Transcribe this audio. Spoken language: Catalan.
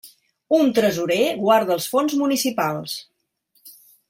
Un tresorer guarda els fons municipals.